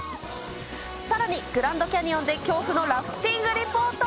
さらにグランドキャニオンで恐怖のラフティングリポート。